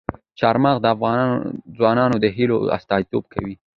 چار مغز د افغان ځوانانو د هیلو استازیتوب کوي.